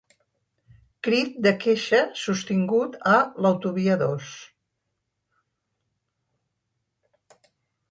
Crit de queixa sostingut a l'autovia dos.